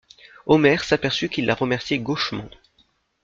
Omer s'aperçut qu'il la remerciait gauchement.